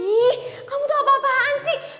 ih kamu tuh apa apaan sih